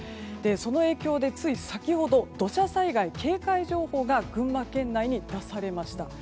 その影響でつい先ほど土砂災害警戒情報が群馬県内に出されました。